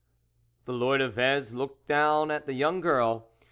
" The Lord of Vez looked down at the young girl.